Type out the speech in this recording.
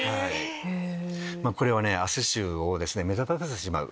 これは汗臭を目立たせてしまう。